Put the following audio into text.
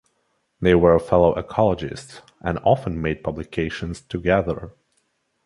They were fellow ecologists and often made publications together.